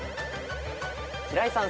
平井さん